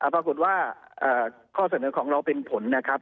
ปรากฏว่าข้อเสนอของเราเป็นผลนะครับ